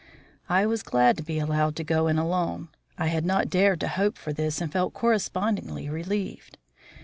I was glad to be allowed to go in alone. I had not dared to hope for this and felt correspondingly relieved.